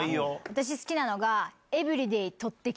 私好きなのが。